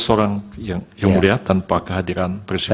empat belas orang yang mulia tanpa kehadiran prinsipal